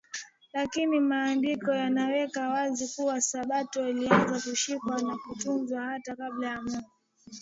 Lakini Maandiko yanaweka wazi kuwa Sabato ilianza kushikwa na kutunzwa hata kabla ya Mungu